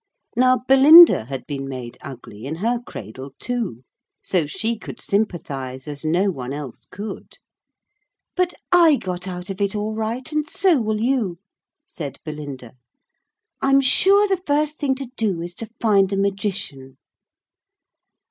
Now Belinda had been made ugly in her cradle too, so she could sympathise as no one else could. 'But I got out of it all right, and so will you,' said Belinda. 'I'm sure the first thing to do is to find a magician.'